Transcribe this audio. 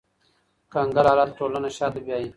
کنګل حالت ټولنه شاته بیایي